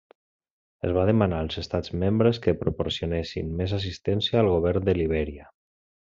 Es va demanar als Estats membres que proporcionessin més assistència al govern de Libèria.